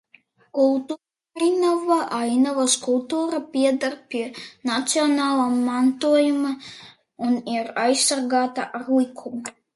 Kultūrainava, ainavas kultūra pieder pie nacionālā mantojuma un ir aizsargāta ar likumu.